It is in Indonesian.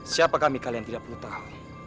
siapa kami kalian tidak perlu tahu